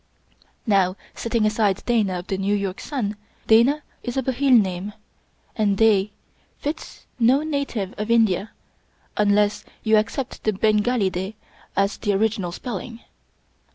Nov/, setting aside Dana of the New York Sun, Dana is a Bhil name, and Da fits no native of India unless you accept the Bengali De as the original spelling.